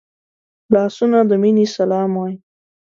لاسونه د مینې سلام وايي